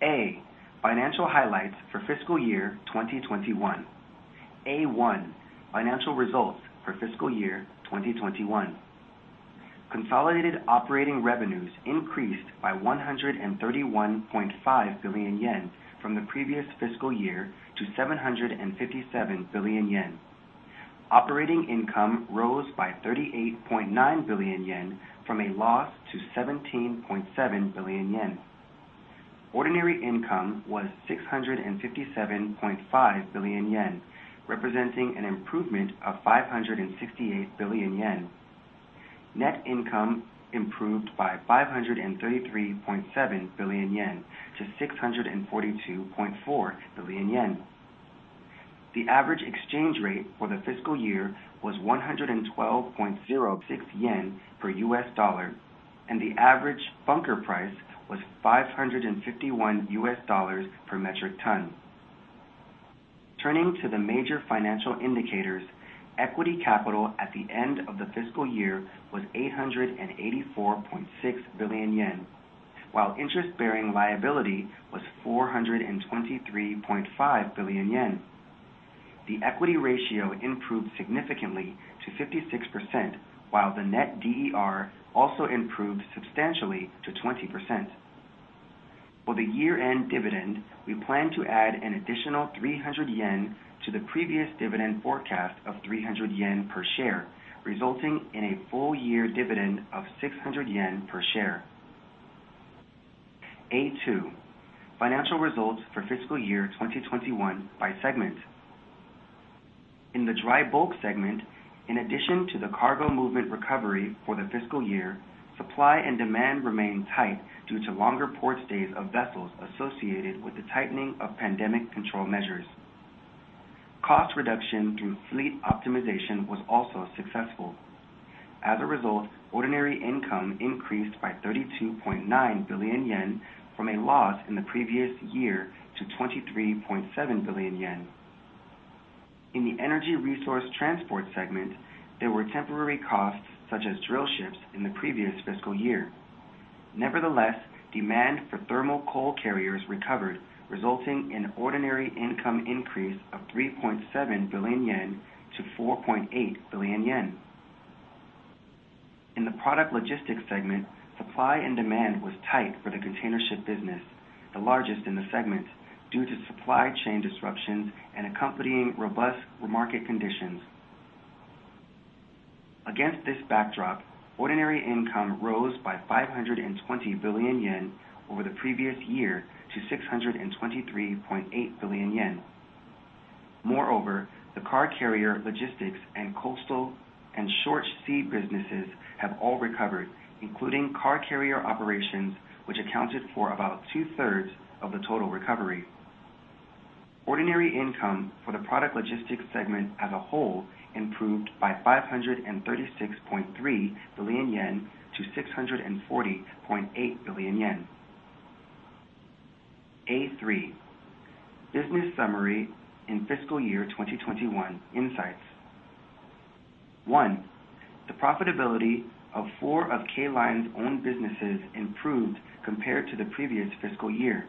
Financial results for fiscal year 2021. Consolidated operating revenues increased by 131.5 billion yen from the previous fiscal year to 757 billion yen. Operating income rose by 38.9 billion yen from a loss to 17.7 billion yen. Ordinary income was 657.5 billion yen, representing an improvement of 568 billion yen. Net income improved by 533.7 billion-642.4 billion yen. The average exchange rate for the fiscal year was 112.06 yen per U.S. dollar, and the average bunker price was $551 per metric ton. Turning to the major financial indicators, equity capital at the end of the fiscal year was 884.6 billion yen, while interest-bearing liability was 423.5 billion yen. The equity ratio improved significantly to 56%, while the net DER also improved substantially to 20%. For the year-end dividend, we plan to add an additional 300 yen to the previous dividend forecast of 300 yen per share, resulting in a full year dividend of 600 yen per share. A2. Financial results for fiscal year 2021 by segment. In the dry bulk segment, in addition to the cargo movement recovery for the fiscal year, supply and demand remained tight due to longer port stays of vessels associated with the tightening of pandemic control measures. Cost reduction through fleet optimization was also successful. As a result, ordinary income increased by 32.9 billion yen from a loss in the previous year to 23.7 billion yen. In the energy resource transport segment, there were temporary costs, such as drillships in the previous fiscal year. Nevertheless, demand for thermal coal carriers recovered, resulting in ordinary income increase of 3.7 billion-4.8 billion yen. In the Product Logistics segment, supply and demand was tight for the Containership Business, the largest in the segment, due to supply chain disruptions and accompanying robust market conditions. Against this backdrop, ordinary income rose by 520 billion yen over the previous year to 623.8 billion yen. Moreover, the car carrier logistics and coastal and short sea businesses have all recovered, including car carrier operations, which accounted for about two-thirds of the total recovery. Ordinary income for the product logistics segment as a whole improved by 536.3 billion-640.8 billion yen. Three, business summary in fiscal year 2021 insights. One, the profitability of four of K Line's own businesses improved compared to the previous fiscal year.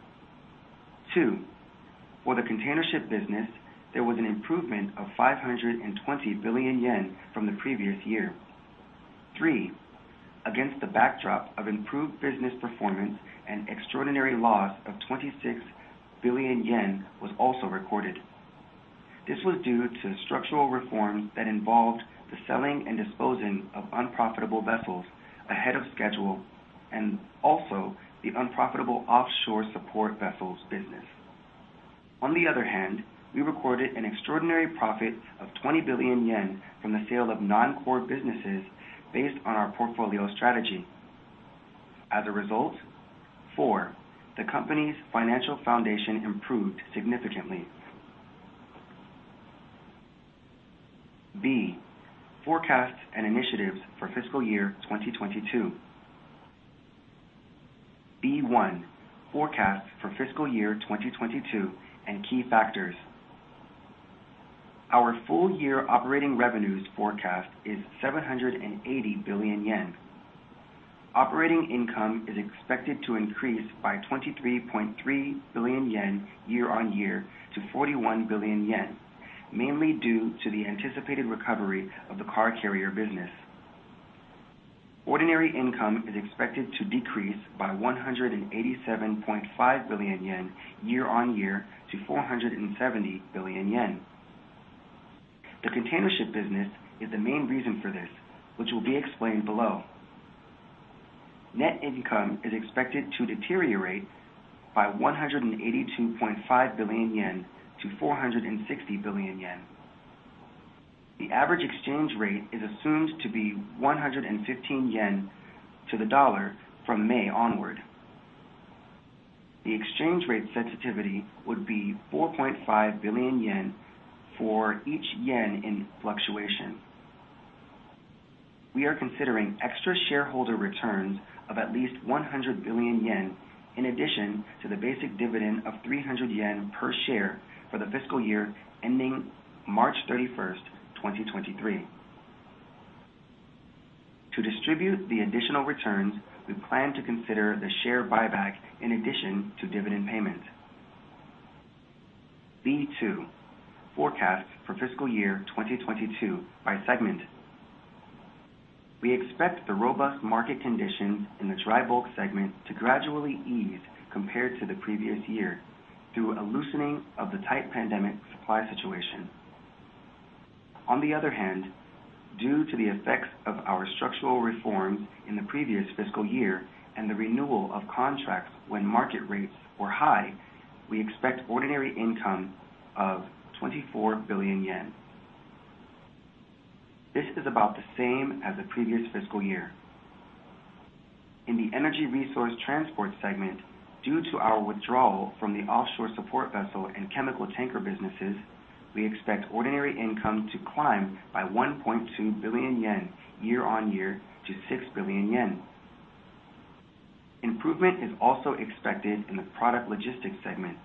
Two, for the container ship business, there was an improvement of 520 billion yen from the previous year. Three, Against the backdrop of improved business performance, an extraordinary loss of 26 billion yen was also recorded. This was due to structural reforms that involved the selling and disposing of unprofitable vessels ahead of schedule, and also the unprofitable offshore support vessels business. On the other hand, we recorded an extraordinary profit of 20 billion yen from the sale of non-core businesses based on our portfolio strategy. As a result, four, the company's financial foundation improved significantly. B. Forecasts and initiatives for fiscal year 2022. B-1. Forecasts for fiscal year 2022 and key factors. Our full year operating revenues forecast is 780 billion yen. Operating income is expected to increase by 23.3 billion yen year-on-year to 41 billion yen, mainly due to the anticipated recovery of the car carrier business. Ordinary income is expected to decrease by 187.5 billion yen year-on-year to 470 billion yen. The container ship business is the main reason for this, which will be explained below. Net income is expected to deteriorate by 182.5 billion-460 billion yen. The average exchange rate is assumed to be 115 yen to the dollar from May onward. The exchange rate sensitivity would be 4.5 billion yen for each yen in fluctuation. We are considering extra shareholder returns of at least 100 billion yen in addition to the basic dividend of 300 yen per share for the fiscal year ending March 31st, 2023. To distribute the additional returns, we plan to consider the share buyback in addition to dividend payment. B-2. Forecast for fiscal year 2022 by segment. We expect the robust market conditions in the dry bulk segment to gradually ease compared to the previous year through a loosening of the tight pandemic supply situation. On the other hand, due to the effects of our structural reforms in the previous fiscal year and the renewal of contracts when market rates were high, we expect ordinary income of 24 billion yen. This is about the same as the previous fiscal year. In the energy resource transport segment, due to our withdrawal from the offshore support vessel and chemical tanker businesses, we expect ordinary income to climb by 1.2 billion yen year-on-year to 6 billion yen. Improvement is also expected in the Product Logistics segment.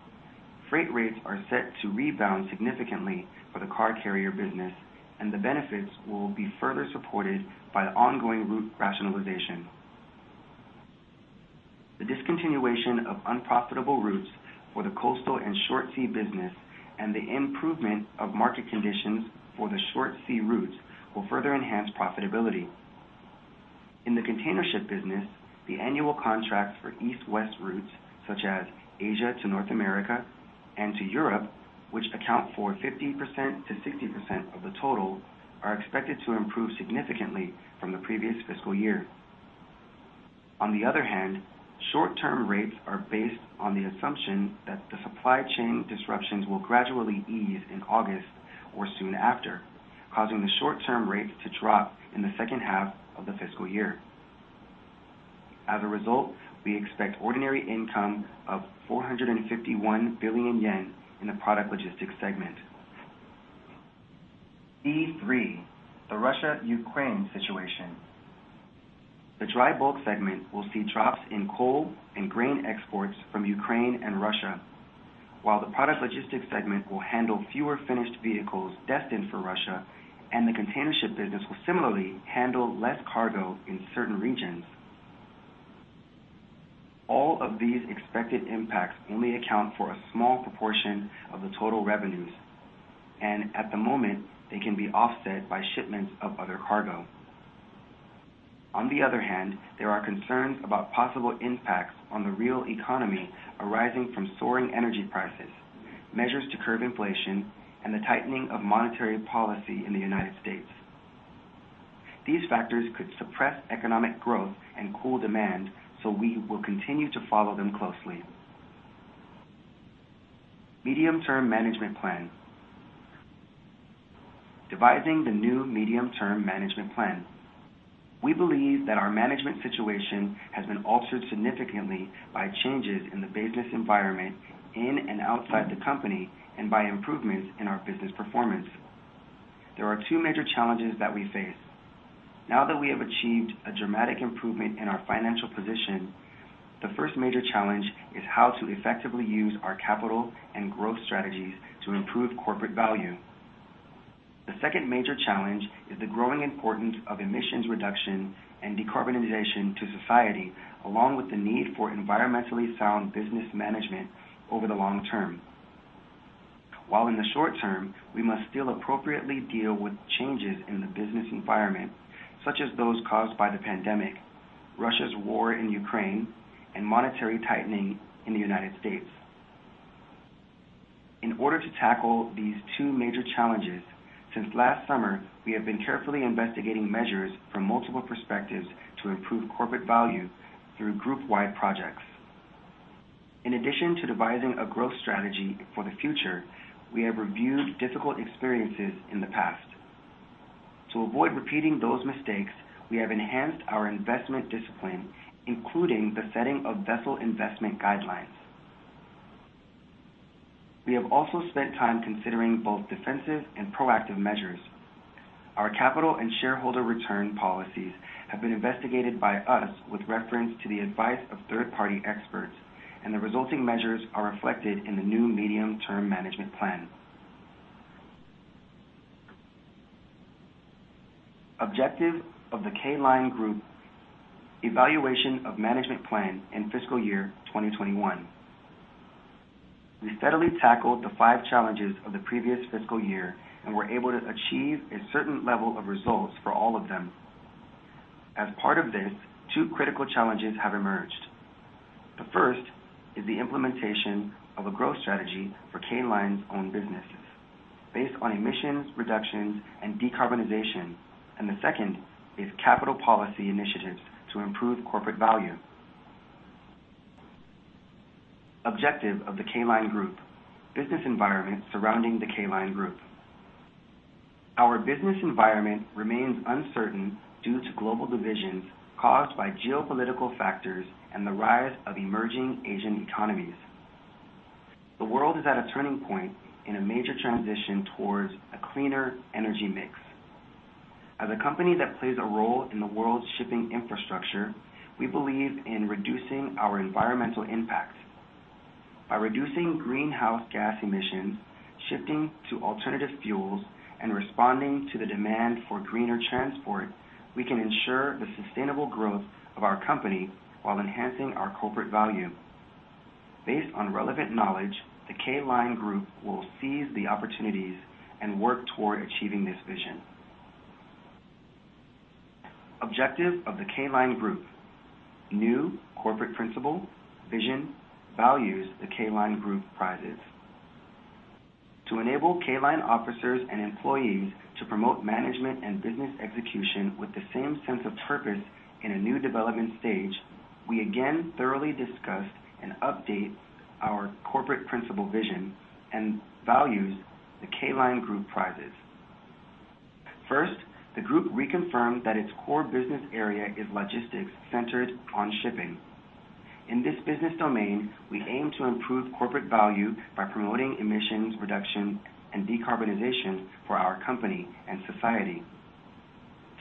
Freight rates are set to rebound significantly for the car carrier business, and the benefits will be further supported by ongoing route rationalization. The discontinuation of unprofitable routes for the coastal and short sea business and the improvement of market conditions for the short sea routes will further enhance profitability. In the Containership Business, the annual contracts for East-West routes, such as Asia to North America and to Europe, which account for 50%-60% of the total, are expected to improve significantly from the previous fiscal year. On the other hand, short-term rates are based on the assumption that the supply chain disruptions will gradually ease in August or soon after, causing the short-term rates to drop in the second half of the fiscal year. As a result, we expect ordinary income of 451 billion yen in the Product Logistics segment. B-3. The Russia-Ukraine situation. The Dry Bulk segment will see drops in coal and grain exports from Ukraine and Russia, while the Product Logistics segment will handle fewer finished vehicles destined for Russia, and the Containership Business will similarly handle less cargo in certain regions. All of these expected impacts only account for a small proportion of the total revenues, and at the moment, they can be offset by shipments of other cargo. On the other hand, there are concerns about possible impacts on the real economy arising from soaring energy prices, measures to curb inflation, and the tightening of monetary policy in the United States. These factors could suppress economic growth and cool demand, so we will continue to follow them closely. Medium-term management plan. Devising the new medium-term management plan. We believe that our management situation has been altered significantly by changes in the business environment in and outside the company and by improvements in our business performance. There are two major challenges that we face. Now that we have achieved a dramatic improvement in our financial position, the first major challenge is how to effectively use our capital and growth strategies to improve corporate value. The second major challenge is the growing importance of emissions reduction and decarbonization to society, along with the need for environmentally sound business management over the long term. While in the short term, we must still appropriately deal with changes in the business environment, such as those caused by the pandemic, Russia's war in Ukraine, and monetary tightening in the United States. In order to tackle these two major challenges, since last summer, we have been carefully investigating measures from multiple perspectives to improve corporate value through group-wide projects. In addition to devising a growth strategy for the future, we have reviewed difficult experiences in the past. To avoid repeating those mistakes, we have enhanced our investment discipline, including the setting of vessel investment guidelines. We have also spent time considering both defensive and proactive measures. Our capital and shareholder return policies have been investigated by us with reference to the advice of third-party experts, and the resulting measures are reflected in the new medium-term management plan. Objective of the K Line Group. Evaluation of management plan in fiscal year 2021. We steadily tackled the five challenges of the previous fiscal year and were able to achieve a certain level of results for all of them. As part of this, two critical challenges have emerged. The first is the implementation of a growth strategy for K Line's own businesses based on emissions reductions and decarbonization, and the second is capital policy initiatives to improve corporate value. Objective of the K Line Group. Business environment surrounding the K Line Group. Our business environment remains uncertain due to global divisions caused by geopolitical factors and the rise of emerging Asian economies. The world is at a turning point in a major transition towards a cleaner energy mix. As a company that plays a role in the world's shipping infrastructure, we believe in reducing our environmental impacts. By reducing greenhouse gas emissions, shifting to alternative fuels, and responding to the demand for greener transport, we can ensure the sustainable growth of our company while enhancing our corporate value. Based on relevant knowledge, the K Line Group will seize the opportunities and work toward achieving this vision. Objective of the K Line Group. New corporate principle, vision, values the K Line Group prizes. To enable K Line officers and employees to promote management and business execution with the same sense of purpose in a new development stage, we again thoroughly discussed and updated our corporate principle vision and values the K Line Group prizes. First, the group reconfirmed that its core business area is logistics centered on shipping. In this business domain, we aim to improve corporate value by promoting emissions reduction and decarbonization for our company and society.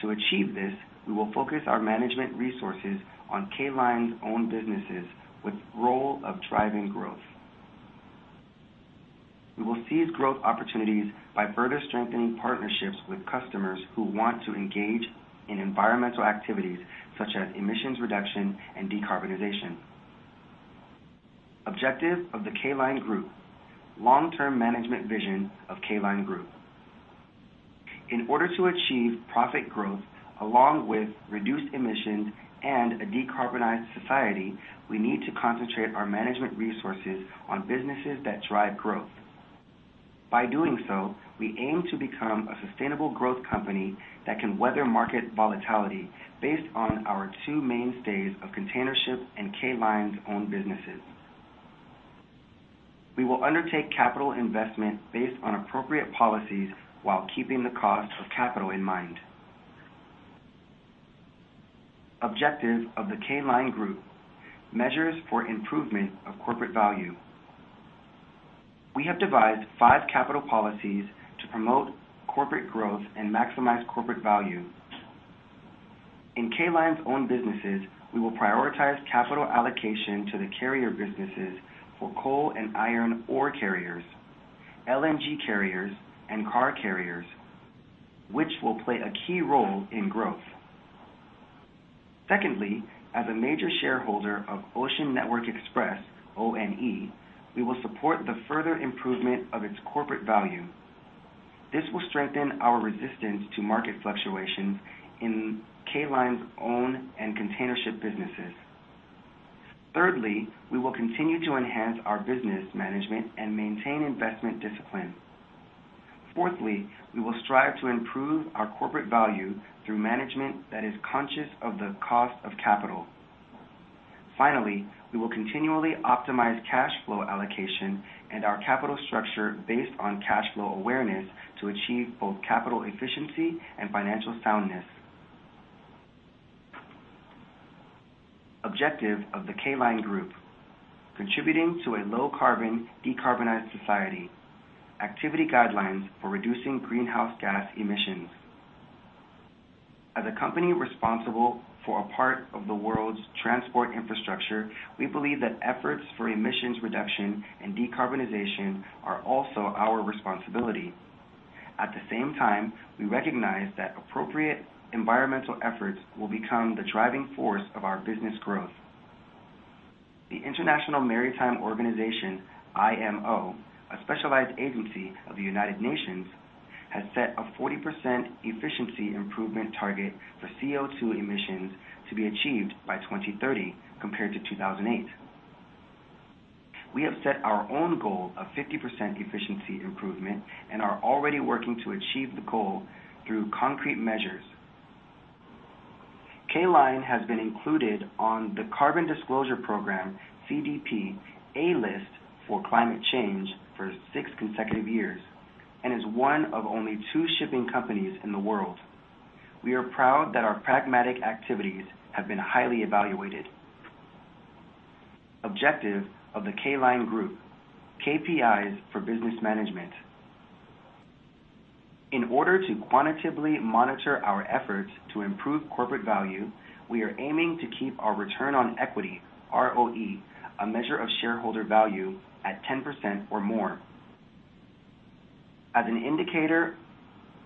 To achieve this, we will focus our management resources on K Line's own businesses with role of driving growth. We will seize growth opportunities by further strengthening partnerships with customers who want to engage in environmental activities, such as emissions reduction and decarbonization. Objective of the K Line Group. Long-term management vision of K Line Group. In order to achieve profit growth, along with reduced emissions and a decarbonized society, we need to concentrate our management resources on businesses that drive growth. By doing so, we aim to become a sustainable growth company that can weather market volatility based on our two mainstays of Containership and K Line's own businesses. We will undertake capital investment based on appropriate policies while keeping the cost of capital in mind. Objective of the K Line Group. Measures for improvement of corporate value. We have devised five capital policies to promote corporate growth and maximize corporate value. In K Line's own businesses, we will prioritize capital allocation to the carrier businesses for coal and iron ore carriers, LNG carriers, and car carriers, which will play a key role in growth. Secondly, as a major shareholder of Ocean Network Express, ONE, we will support the further improvement of its corporate value. This will strengthen our resistance to market fluctuations in K Line's own and Containership businesses. Thirdly, we will continue to enhance our business management and maintain investment discipline. Fourthly, we will strive to improve our corporate value through management that is conscious of the cost of capital. Finally, we will continually optimize cash flow allocation and our capital structure based on cash flow awareness to achieve both capital efficiency and financial soundness. Objective of the K Line Group. Contributing to a low carbon, decarbonized society. Activity guidelines for reducing greenhouse gas emissions. As a company responsible for a part of the world's transport infrastructure, we believe that efforts for emissions reduction and decarbonization are also our responsibility. At the same time, we recognize that appropriate environmental efforts will become the driving force of our business growth. The International Maritime Organization, IMO, a specialized agency of the United Nations, has set a 40% efficiency improvement target for CO₂ emissions to be achieved by 2030 compared to 2008. We have set our own goal of 50% efficiency improvement and are already working to achieve the goal through concrete measures. K Line has been included on the Carbon Disclosure Project, CDP, A List for climate change for six consecutive years and is one of only two shipping companies in the world. We are proud that our pragmatic activities have been highly evaluated. Objective of the K Line Group. KPIs for business management. In order to quantitatively monitor our efforts to improve corporate value, we are aiming to keep our return on equity, ROE, a measure of shareholder value, at 10% or more. As an indicator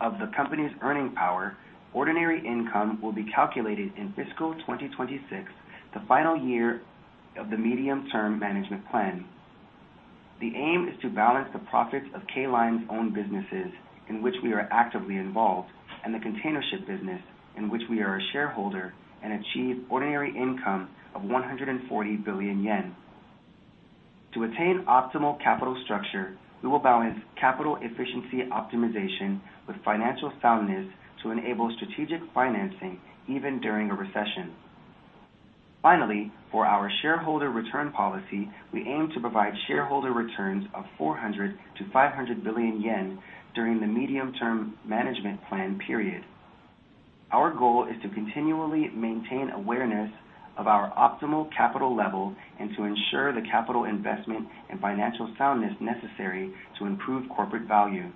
of the company's earning power, ordinary income will be calculated in fiscal 2026, the final year of the medium-term management plan. The aim is to balance the profits of K Line's own businesses, in which we are actively involved, and the Containership Business, in which we are a shareholder, and achieve ordinary income of 140 billion yen. To attain optimal capital structure, we will balance capital efficiency optimization with financial soundness to enable strategic financing even during a recession. Finally, for our shareholder return policy, we aim to provide shareholder returns of 400 billion-500 billion yen during the medium-term management plan period. Our goal is to continually maintain awareness of our optimal capital level and to ensure the capital investment and financial soundness necessary to improve corporate value.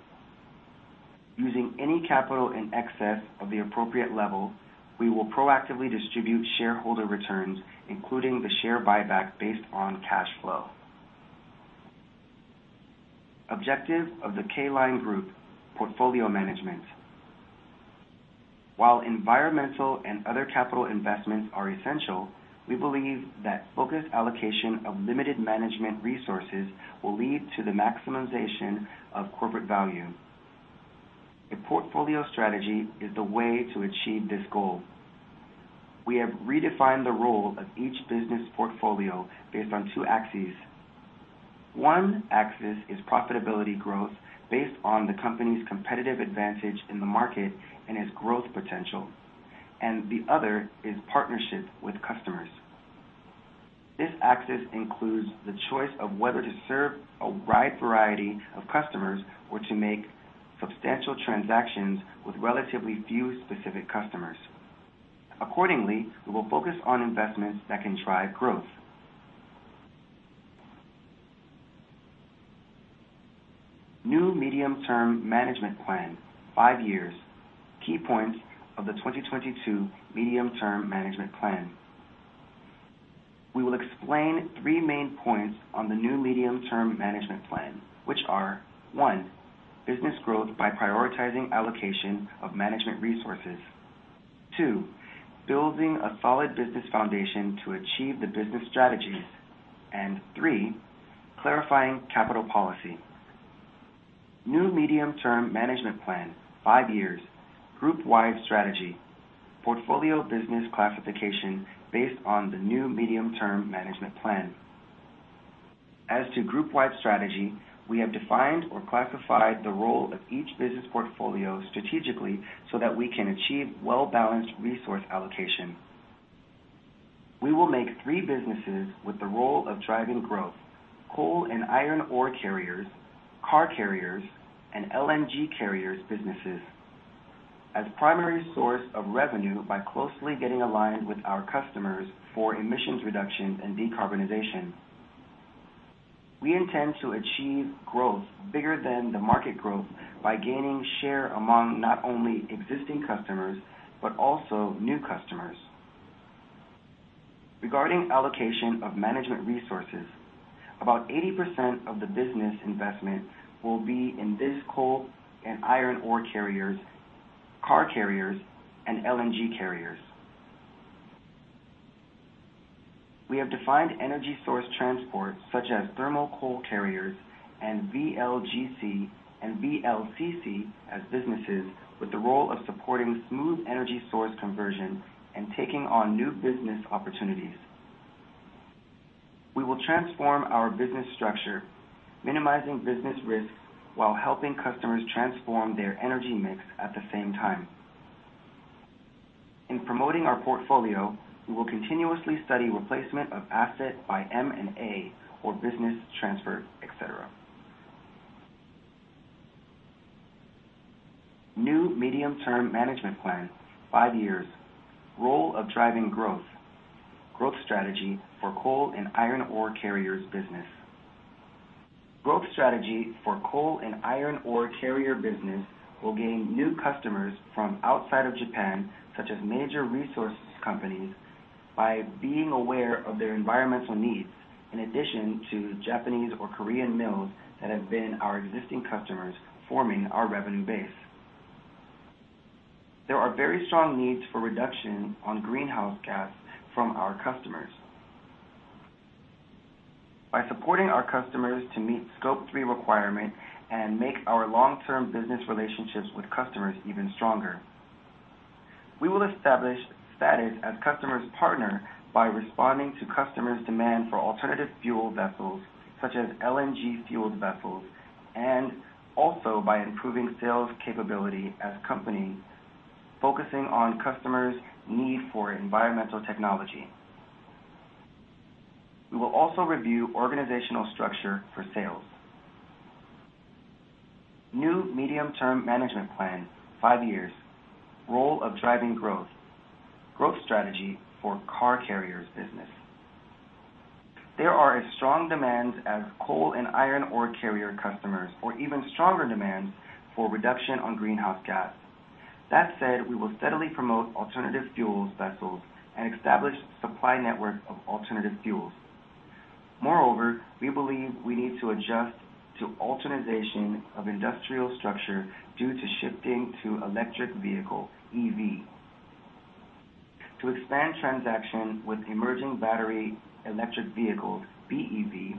Using any capital in excess of the appropriate level, we will proactively distribute shareholder returns, including the share buyback based on cash flow. Objective of the K Line Group portfolio management. While environmental and other capital investments are essential, we believe that focused allocation of limited management resources will lead to the maximization of corporate value. A portfolio strategy is the way to achieve this goal. We have redefined the role of each business portfolio based on two axes. One axis is profitability growth based on the company's competitive advantage in the market and its growth potential, and the other is partnership with customers. This axis includes the choice of whether to serve a wide variety of customers or to make substantial transactions with relatively few specific customers. Accordingly, we will focus on investments that can drive growth. New medium-term management plan, five years. Key points of the 2022 medium-term management plan. We will explain three main points on the new medium-term management plan, which are one, business growth by prioritizing allocation of management resources. Two, building a solid business foundation to achieve the business strategies. Three, clarifying capital policy. New medium-term management plan, five years. Group-wide strategy. Portfolio business classification based on the new medium-term management plan. As to group-wide strategy, we have defined or classified the role of each business portfolio strategically so that we can achieve well-balanced resource allocation. We will make three businesses with the role of driving growth, coal and iron ore carriers, car carriers, and LNG carriers businesses as primary source of revenue by closely getting aligned with our customers for emissions reductions and decarbonization. We intend to achieve growth bigger than the market growth by gaining share among not only existing customers but also new customers. Regarding allocation of management resources, about 80% of the business investment will be in this coal and iron ore carriers, car carriers, and LNG carriers. We have defined energy resource transport, such as thermal coal carriers and VLGC and VLCC as businesses with the role of supporting smooth energy source conversion and taking on new business opportunities. We will transform our business structure, minimizing business risks while helping customers transform their energy mix at the same time. In promoting our portfolio, we will continuously study replacement of asset by M&A or business transfer, et cetera. New medium-term management plan, five years. Role of driving growth. Growth strategy for coal and iron ore carriers business. Growth strategy for coal and iron ore carrier business will gain new customers from outside of Japan, such as major resources companies, by being aware of their environmental needs in addition to Japanese or Korean mills that have been our existing customers forming our revenue base. There are very strong needs for reduction on greenhouse gas from our customers. By supporting our customers to meet Scope three requirement and make our long-term business relationships with customers even stronger, we will establish status as customers' partner by responding to customers' demand for alternative fuel vessels, such as LNG-fueled vessels, and also by improving sales capability as company focusing on customers' need for environmental technology. We will also review organizational structure for sales. New medium-term management plan, five years. Role of driving growth. Growth strategy for car carriers business. There are as strong demands from coal and iron ore carrier customers or even stronger demands for reduction in greenhouse gas. That said, we will steadily promote alternative fuels vessels and establish supply network of alternative fuels. Moreover, we believe we need to adjust to alteration of industrial structure due to shifting to electric vehicle, EV. To expand transactions with emerging battery electric vehicles, BEV,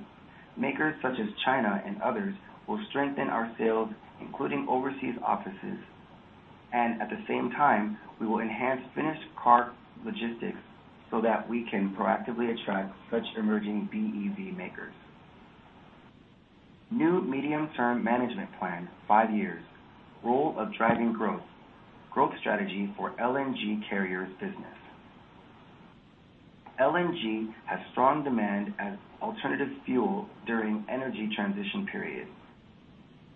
makers such as China and others, we will strengthen our sales, including overseas offices. At the same time, we will enhance finished car logistics so that we can proactively attract such emerging BEV makers. New medium-term management plan, five years. Role of driving growth. Growth strategy for LNG carriers business. LNG has strong demand as alternative fuel during energy transition period.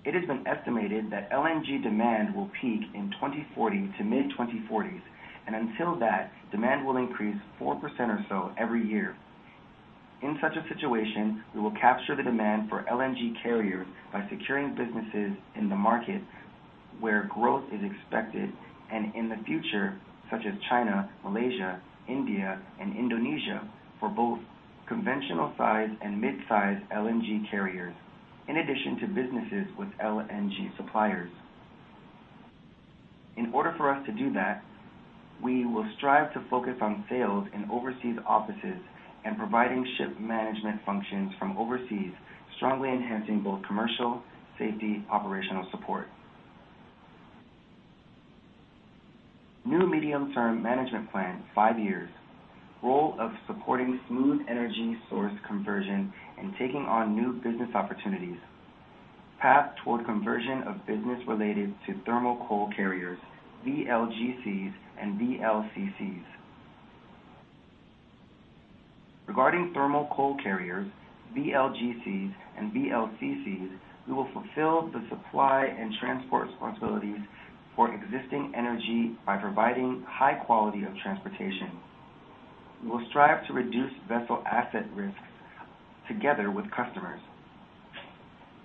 It has been estimated that LNG demand will peak in 2040 to mid-2040s, and until that, demand will increase 4% or so every year. In such a situation, we will capture the demand for LNG carriers by securing businesses in the market where growth is expected, and in the future, such as China, Malaysia, India, and Indonesia, for both conventional size and mid-size LNG carriers, in addition to businesses with LNG suppliers. In order for us to do that, we will strive to focus on sales in overseas offices and providing ship management functions from overseas, strongly enhancing both commercial safety operational support. New medium-term management plan, five years. Role of supporting smooth energy source conversion and taking on new business opportunities. Path toward conversion of business related to thermal coal carriers, VLGCs and VLCCs. Regarding thermal coal carriers, VLGCs and VLCCs, we will fulfill the supply and transport responsibilities for existing energy by providing high quality of transportation. We will strive to reduce vessel asset risks together with customers.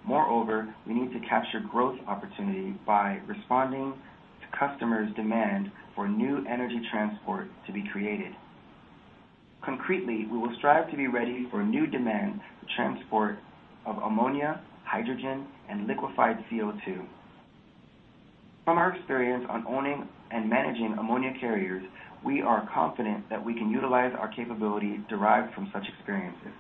Moreover, we need to capture growth opportunity by responding to customers' demand for new energy transport to be created. Concretely, we will strive to be ready for new demand transport of ammonia, hydrogen, and liquefied CO2. From our experience on owning and managing ammonia carriers, we are confident that we can utilize our capability derived from such experiences.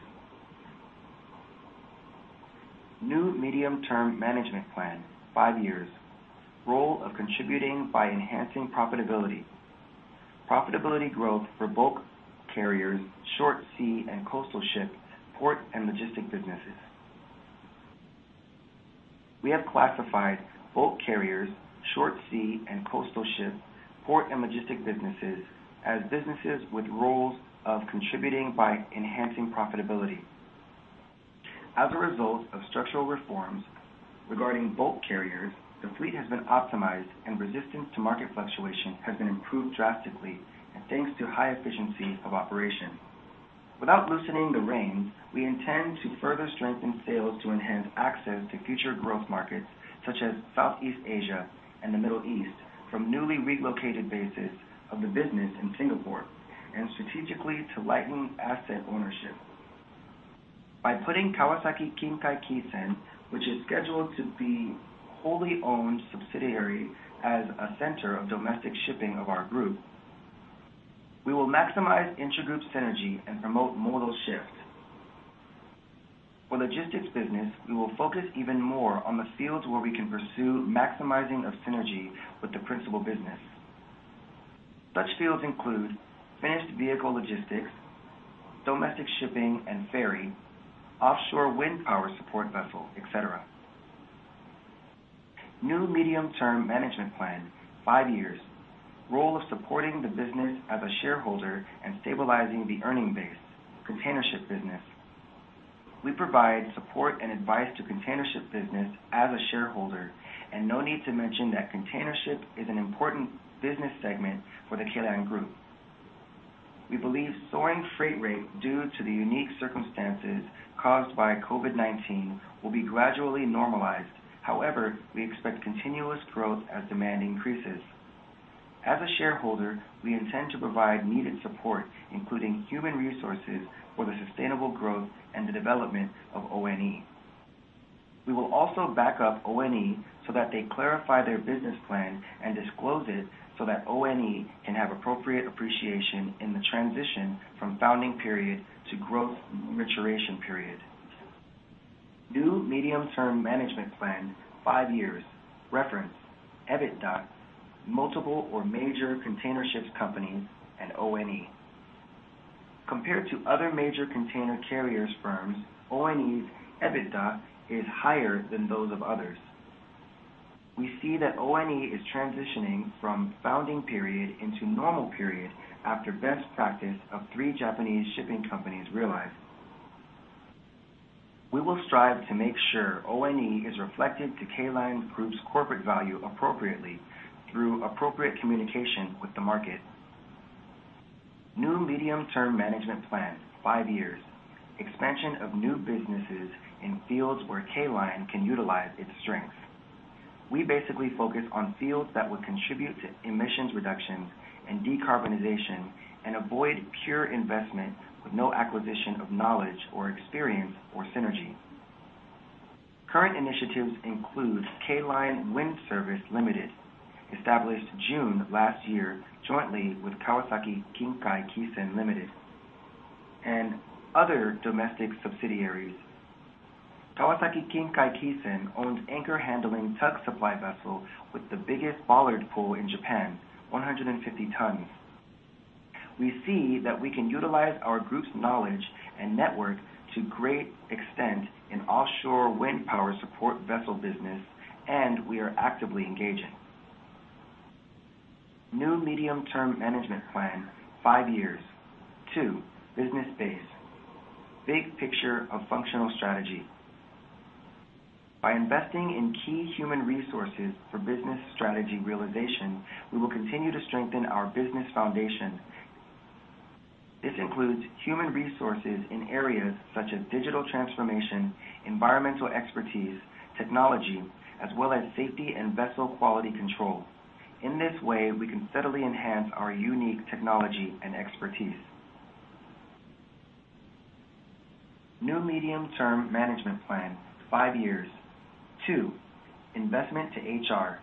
New medium-term management plan, five years. Role of contributing by enhancing profitability. Profitability growth for bulk carriers, short sea and coastal ship, port and logistic businesses. We have classified bulk carriers, short sea and coastal ship, port and logistic businesses as businesses with roles of contributing by enhancing profitability. As a result of structural reforms regarding bulk carriers, the fleet has been optimized and resistance to market fluctuation has been improved drastically, and thanks to high efficiency of operation. Without loosening the reins, we intend to further strengthen sales to enhance access to future growth markets such as Southeast Asia and the Middle East from newly relocated bases of the business in Singapore and strategically to lighten asset ownership. By putting Kawasaki Kinkai Kisen, which is scheduled to be wholly owned subsidiary as a center of domestic shipping of our group, we will maximize intergroup synergy and promote modal shift. For logistics business, we will focus even more on the fields where we can pursue maximizing of synergy with the principal business. Such fields include finished vehicle logistics, domestic shipping and ferry, offshore wind power support vessel, et cetera. New medium-term management plan, five years. Role of supporting the business as a shareholder and stabilizing the earning base. Containership Business. We provide support and advice to Containership Business as a shareholder, and no need to mention that containership is an important business segment for the K Line Group. We believe soaring freight rate due to the unique circumstances caused by COVID-19 will be gradually normalized. However, we expect continuous growth as demand increases. As a shareholder, we intend to provide needed support, including human resources for the sustainable growth and the development of ONE. We will also back up ONE so that they clarify their business plan and disclose it so that ONE can have appropriate appreciation in the transition from founding period to growth maturation period. New medium-term management plan, five years. Reference, EBITDA, multiple or major containership companies and ONE. Compared to other major container carriers firms, ONE's EBITDA is higher than those of others. We see that ONE is transitioning from founding period into normal period after best practice of three Japanese shipping companies realized. We will strive to make sure ONE is reflected to K Line Group's corporate value appropriately through appropriate communication with the market. New medium-term management plan, five years. Expansion of new businesses in fields where K Line can utilize its strengths. We basically focus on fields that will contribute to emissions reductions and decarbonization and avoid pure investment with no acquisition of knowledge or experience or synergy. Current initiatives include K Line Wind Service, Ltd., established June last year jointly with Kawasaki Kinkai Kisen Kaisha, Ltd., and other domestic subsidiaries. Kawasaki Kinkai Kisen Kaisha, Ltd. owns anchor handling tug supply vessel with the biggest bollard pull in Japan, 150 tons. We see that we can utilize our group's knowledge and network to great extent in offshore wind power support vessel business, and we are actively engaging. New medium-term management plan, five years. Two, business base. Big picture of functional strategy. By investing in key human resources for business strategy realization, we will continue to strengthen our business foundation. This includes human resources in areas such as digital transformation, environmental expertise, technology, as well as safety and vessel quality control. In this way, we can steadily enhance our unique technology and expertise. New medium-term management plan, five years. Two, investment to HR.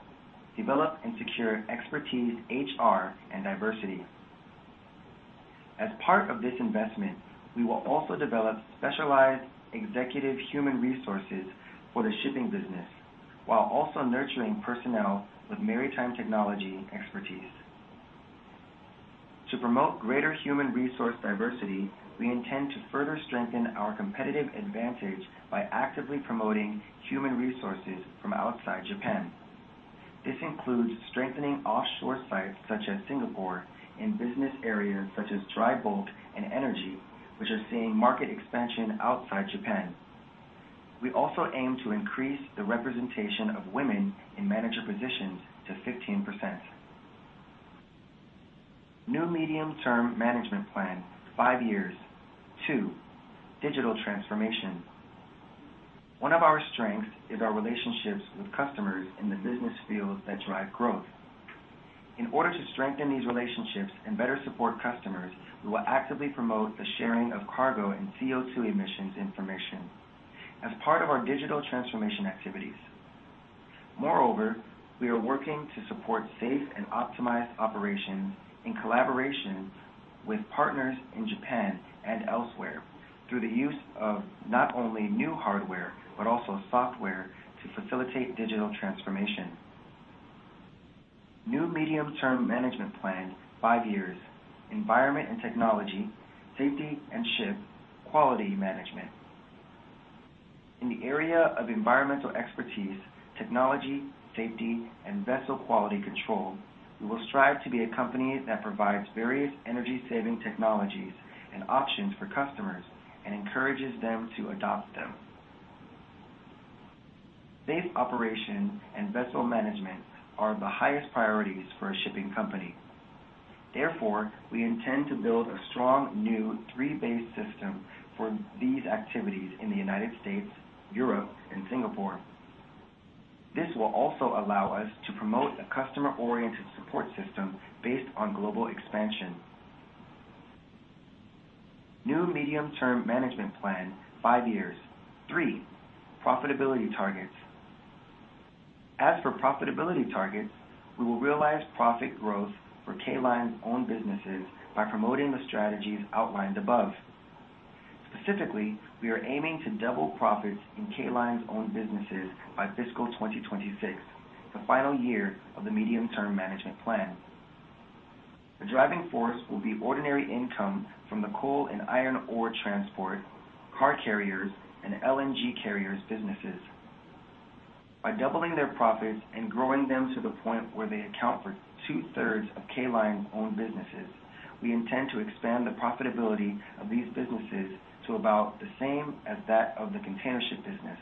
Develop and secure expertise, HR, and diversity. As part of this investment, we will also develop specialized executive human resources for the shipping business, while also nurturing personnel with maritime technology expertise. To promote greater human resource diversity, we intend to further strengthen our competitive advantage by actively promoting human resources from outside Japan. This includes strengthening offshore sites such as Singapore in business areas such as dry bulk and energy, which are seeing market expansion outside Japan. We also aim to increase the representation of women in manager positions to 15%. New medium-term management plan, five years. Two, digital transformation. One of our strengths is our relationships with customers in the business fields that drive growth. In order to strengthen these relationships and better support customers, we will actively promote the sharing of cargo and CO2 emissions information as part of our digital transformation activities. Moreover, we are working to support safe and optimized operations in collaboration with partners in Japan and elsewhere through the use of not only new hardware, but also software to facilitate digital transformation. New medium-term management plan, five years. Environment and technology, safety and ship, quality management. In the area of environmental expertise, technology, safety, and vessel quality control, we will strive to be a company that provides various energy-saving technologies and options for customers and encourages them to adopt them. Safe operation and vessel management are the highest priorities for a shipping company. Therefore, we intend to build a strong new three-base system for these activities in the United States, Europe, and Singapore. This will also allow us to promote a customer-oriented support system based on global expansion. New medium-term management plan, five years. Three, profitability targets. As for profitability targets, we will realize profit growth for K Line's own businesses by promoting the strategies outlined above. Specifically, we are aiming to double profits in K Line's own businesses by fiscal 2026, the final year of the medium-term management plan. The driving force will be ordinary income from the coal and iron ore transport, car carriers, and LNG carriers businesses. By doubling their profits and growing them to the point where they account for two-thirds of K Line's own businesses, we intend to expand the profitability of these businesses to about the same as that of the container ship business.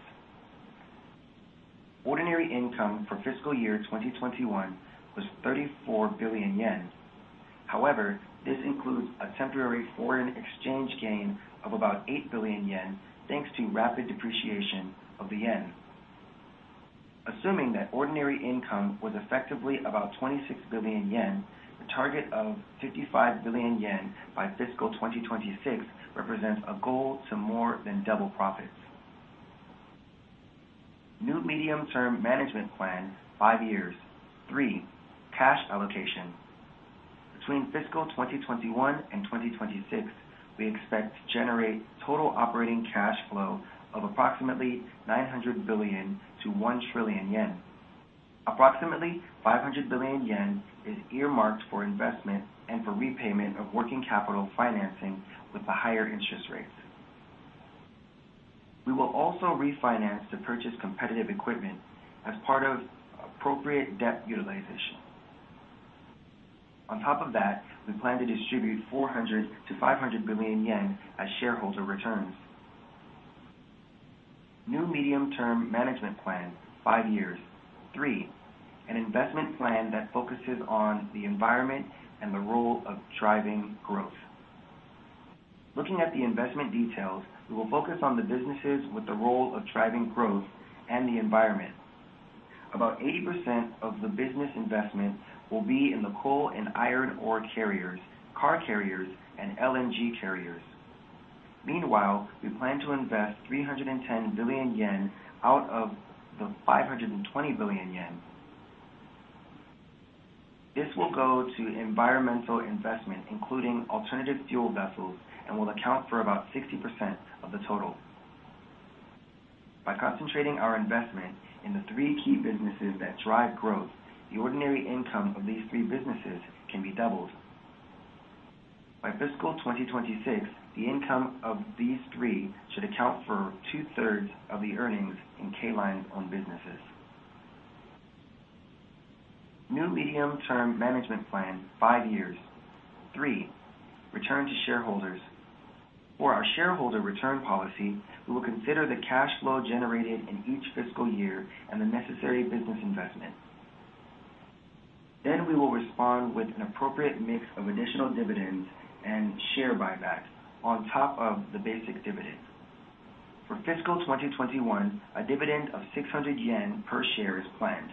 Ordinary income for fiscal year 2021 was 34 billion yen. However, this includes a temporary foreign exchange gain of about 8 billion yen, thanks to rapid depreciation of the yen. Assuming that ordinary income was effectively about 26 billion yen, the target of 55 billion yen by fiscal 2026 represents a goal to more than double profits. New medium-term management plan, five years. Three, cash allocation. Between fiscal 2021 and 2026, we expect to generate total operating cash flow of approximately 900 billion-1 trillion yen. Approximately 500 billion yen is earmarked for investment and for repayment of working capital financing with the higher interest rates. We will also refinance to purchase competitive equipment as part of appropriate debt utilization. On top of that, we plan to distribute 400 billion-500 billion yen as shareholder returns. New medium-term management plan, five years. Three, an investment plan that focuses on the environment and the role of driving growth. Looking at the investment details, we will focus on the businesses with the role of driving growth and the environment. About 80% of the business investment will be in the coal and iron ore carriers, car carriers, and LNG carriers. Meanwhile, we plan to invest 310 billion yen out of the 520 billion yen. This will go to environmental investment, including alternative fuel vessels, and will account for about 60% of the total. By concentrating our investment in the three key businesses that drive growth, the ordinary income of these three businesses can be doubled. By fiscal 2026, the income of these three should account for two-thirds of the earnings in K Line's own businesses. New medium-term management plan, five years. Three, return to shareholders. For our shareholder return policy, we will consider the cash flow generated in each fiscal year and the necessary business investment. We will respond with an appropriate mix of additional dividends and share buybacks on top of the basic dividend. For fiscal 2021, a dividend of 600 yen per share is planned.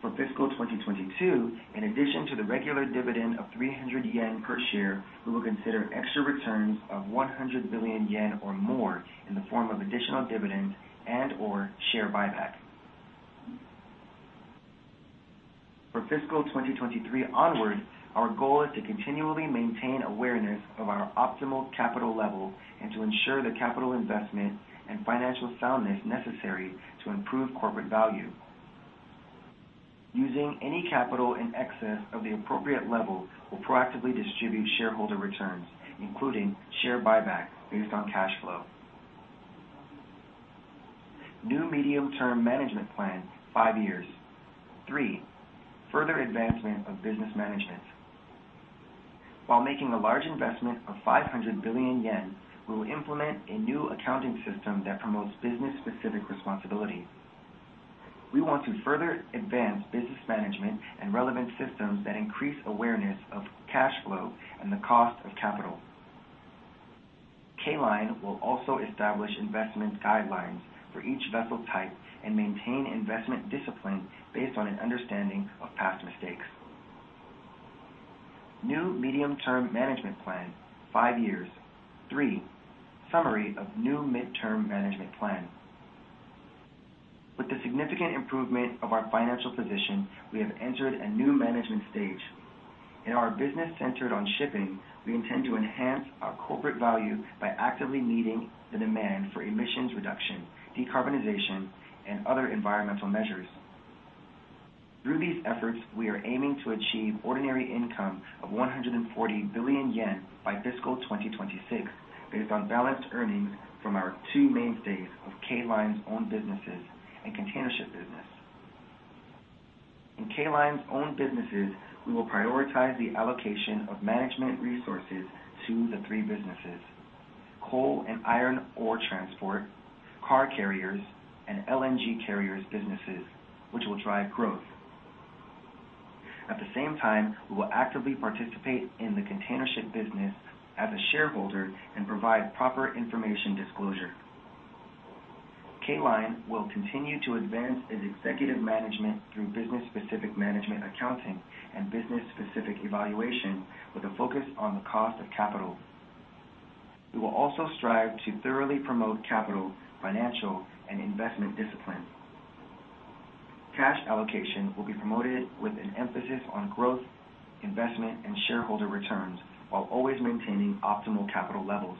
For fiscal 2022, in addition to the regular dividend of 300 yen per share, we will consider extra returns of 100 billion yen or more in the form of additional dividends and/or share buyback. For fiscal 2023 onwards, our goal is to continually maintain awareness of our optimal capital level and to ensure the capital investment and financial soundness necessary to improve corporate value. Using any capital in excess of the appropriate level, we'll proactively distribute shareholder returns, including share buybacks based on cash flow. New medium-term management plan, five years. Three, further advancement of business management. While making a large investment of 500 billion yen, we will implement a new accounting system that promotes business-specific responsibility. We want to further advance business management and relevant systems that increase awareness of cash flow and the cost of capital. K Line will also establish investment guidelines for each vessel type and maintain investment discipline based on an understanding of past mistakes. New medium-term management plan, five years. Three, summary of new medium-term management plan. With the significant improvement of our financial position, we have entered a new management stage. In our business centered on shipping, we intend to enhance our corporate value by actively meeting the demand for emissions reduction, decarbonization, and other environmental measures. Through these efforts, we are aiming to achieve ordinary income of 140 billion yen by fiscal 2026, based on balanced earnings from our two mainstays of K Line's own businesses and container ship business. In K Line's own businesses, we will prioritize the allocation of management resources to the three businesses, coal and iron ore transport, car carriers, and LNG carriers businesses, which will drive growth. At the same time, we will actively participate in the container ship business as a shareholder and provide proper information disclosure. K Line will continue to advance its executive management through business-specific management accounting and business-specific evaluation with a focus on the cost of capital. We will also strive to thoroughly promote capital, financial, and investment discipline. Cash allocation will be promoted with an emphasis on growth, investment, and shareholder returns, while always maintaining optimal capital levels.